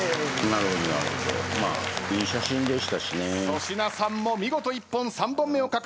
粗品さんも見事一本３本目を獲得です。